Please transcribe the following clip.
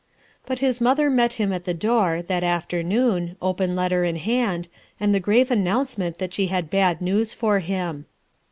But his mother met him at the door, that afternoon, open letter in hand, and the grave announcement that she had bad news for him.